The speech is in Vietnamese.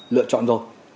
lựa chọn rồi